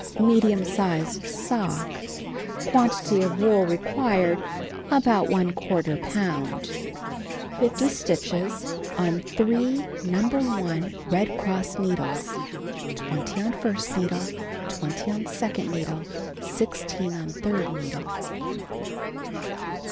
MEDIUM SIZED SOCK Quantity of wool required: about one quarter pound. 56 stitches on three No. 1 Red Cross needles (20 on first needle, 20 on second needle, 16 on thirtl needle).